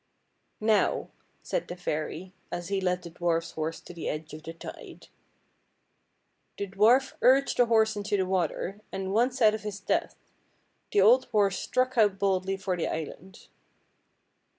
" Now," said the fairy, as he led the dwarf's horse to the edge of the tide. The dwarf urged the horse into the water, and once out of his depth, the old horse struck out boldly for the island.